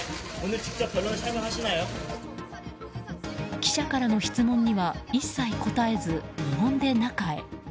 記者からの質問には一切答えず無言で中へ。